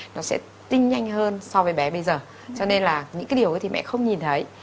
nó sẽ tinh nhanh hơn so với bé bây giờ cho nên là những cái điều ấy thì mẹ không nhìn thấy